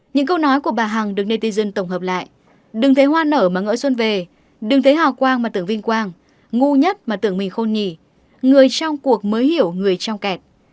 những câu nói của bà hằng được netison tổng hợp lại đừng thấy hoa nở mà ngỡ xuân về đừng thấy hòa quang mà tưởng vinh quang ngu nhất mà tưởng mình khôn nhì người trong cuộc mới hiểu người trong kẹt